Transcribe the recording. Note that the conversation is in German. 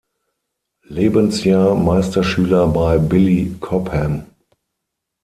Lebensjahr Meisterschüler bei Billy Cobham.